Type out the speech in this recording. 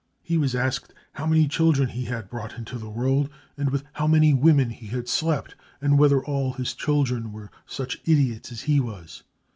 He was asked how many children he had brought into the world anS with how many women he had slept, and whether all his children were such idiots as he was.